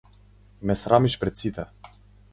Ме срамиш пред сите.